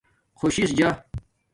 خوش شس جا